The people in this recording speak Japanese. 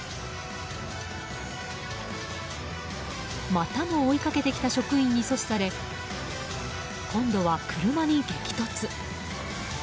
またも追いかけてきた職員に阻止され、今度は車に激突。